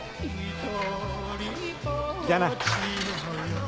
じゃあな。